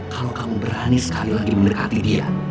kalau kamu berani sekali lagi mendekati dia